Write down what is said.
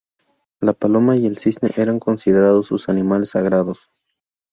La paloma y el cisne eran considerados sus animales sagrados.